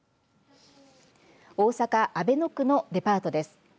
大阪、阿倍野区のデパートです。